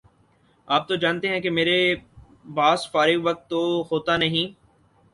آپ تو جانتے ہیں کہ میرے باس فارغ وقت تو ہوتا نہیں